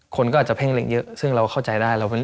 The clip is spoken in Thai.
คนก็อาจจะเพ่งเล็งเยอะซึ่งเราเข้าใจได้